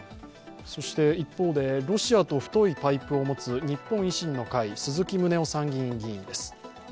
一方で、ロシアと太いパイプを持つ日本維新の会、鈴木宗男参議院議員です。